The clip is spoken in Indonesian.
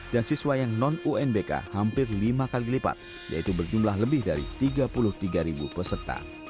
dan siswa yang non unbk hampir lima kali lipat yaitu berjumlah lebih dari tiga puluh tiga peserta